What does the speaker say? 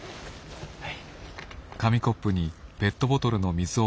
はい。